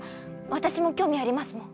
私も興味ありますもん。